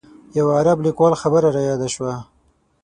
یو عرب لیکوال خبره رایاده شوه.